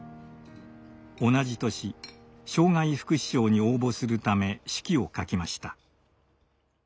同じ年障害福祉賞に応募するため手記を書きました。